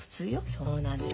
そうなんです。